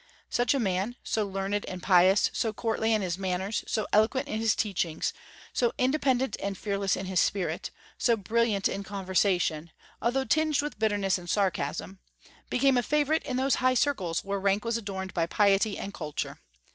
Such a man so learned and pious, so courtly in his manners, so eloquent in his teachings, so independent and fearless in his spirit, so brilliant in conversation, although tinged with bitterness and sarcasm became a favorite in those high circles where rank was adorned by piety and culture.